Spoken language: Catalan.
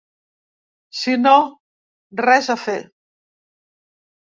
Si no, res a fer.